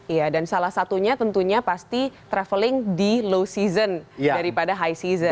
iya dan salah satunya tentunya pasti traveling di low season daripada high season